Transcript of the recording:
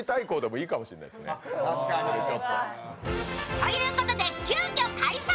ということで急きょ開催。